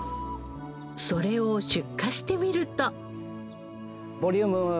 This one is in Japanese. それを出荷してみると。